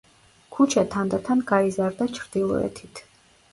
ქუჩა თანდათან გაიზარდა ჩრდილოეთით.